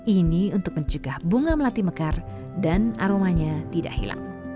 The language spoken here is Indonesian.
ini untuk mencegah bunga melati mekar dan aromanya tidak hilang